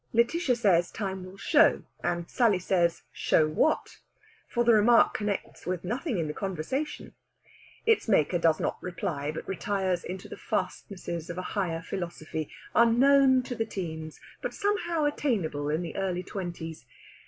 Lætitia says time will show, and Sally says, "Show what?" For the remark connects with nothing in the conversation. Its maker does not reply, but retires into the fastnesses of a higher philosophy, unknown to the teens, but somehow attainable in the early twenties.